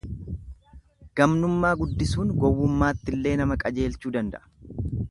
Gamnummaa guddisuun gowwummaattillee nama qajeelchuu danda'a.